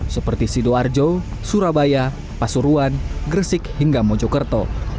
seperti sidoarjo surabaya pasuruan gresik hingga mojokerto